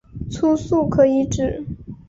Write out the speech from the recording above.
初速可以指